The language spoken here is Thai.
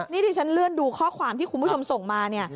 นี่ที่ฉันเลื่อนดูข้อความที่คุณผู้ชมส่งมาเนี่ย